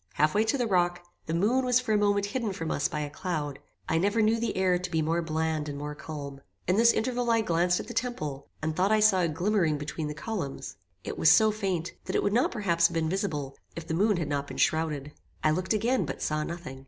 Half way to the rock, the moon was for a moment hidden from us by a cloud. I never knew the air to be more bland and more calm. In this interval I glanced at the temple, and thought I saw a glimmering between the columns. It was so faint, that it would not perhaps have been visible, if the moon had not been shrowded. I looked again, but saw nothing.